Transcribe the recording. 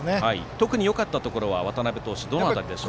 特によかったところは渡邉投手、どの辺りですか。